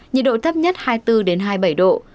nhiệt độ thấp nhất hai mươi bốn hai mươi bảy độ